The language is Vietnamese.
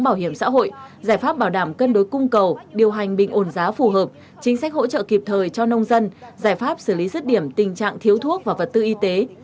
bảo hiểm xã hội giải pháp bảo đảm cân đối cung cầu điều hành bình ổn giá phù hợp chính sách hỗ trợ kịp thời cho nông dân giải pháp xử lý rứt điểm tình trạng thiếu thuốc và vật tư y tế